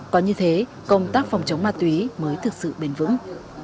có như thế công tác phòng chống ma túy mới thực sự bền vững